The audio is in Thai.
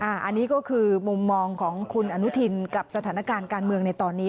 อันนี้ก็คือมุมมองของคุณอนุทินกับสถานการณ์การเมืองในตอนนี้